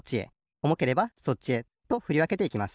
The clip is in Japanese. おもければそっちへとふりわけていきます。